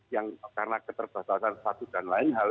karena keterbatasan satu dan lain hal